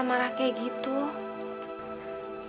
kamilah juga caliber tuanya